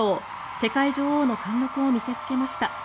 世界女王の貫禄を見せつけました。